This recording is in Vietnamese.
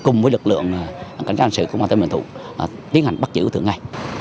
cùng với lực lượng cảnh sát hành sự của công an tên bình thuận tiến hành bắt giữ tượng này